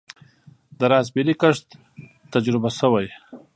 د راسبیري کښت تجربه شوی؟